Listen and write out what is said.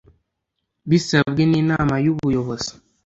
bisabwe n’inama y’ubuyobozi